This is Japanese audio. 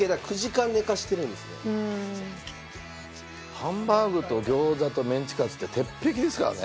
ハンバーグと餃子とメンチカツって鉄壁ですからね